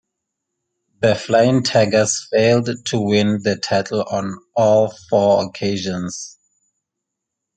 The Flying Tigers failed to win the title on all four occasions.